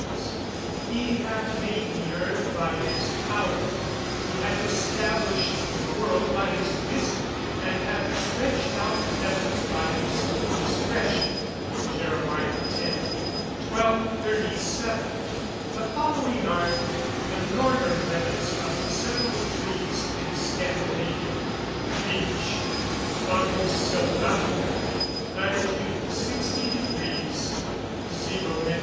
[Verse: "He hath made the earth by his power, he hath established the world by his wisdom, and hath stretched out the heavens by his discretion." JEREMIAH X.] 1237. The following are the northern limits of several trees in Scandinavia: Lat. Beech, Fagus silvatica 60 deg. 0 min.